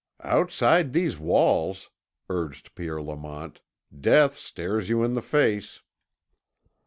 "Outside these walls," urged Pierre Lamont, "death stares you in the face."